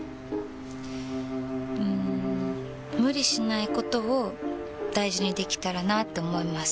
うん無理しないことを大事にできたらなって思います。